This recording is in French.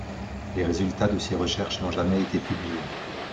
Les résultats de ces recherches n’ont jamais été publiés.